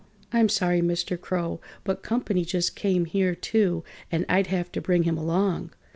"I'm sorry, Mr. Crow, but comp'ny just came here, too, and I'd have to bring him along."